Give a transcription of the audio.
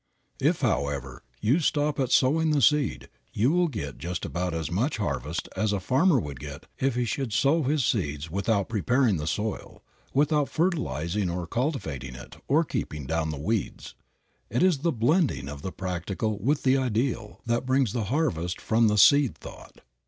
If, however, you stop at sowing the seed you will get just about as much harvest as a farmer would get if he should sow his seeds without preparing the soil, without fertilizing or cultivating it or keeping down the weeds. It is the blending of the practical with the ideal that brings the harvest from the seed thought.